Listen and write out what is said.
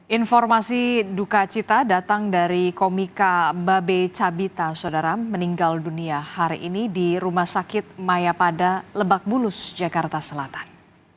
informasi dukacita datang dari komika babe cabita saudara meninggal dunia hari ini di rumah sakit mayapada lebakbulus jakarta selatan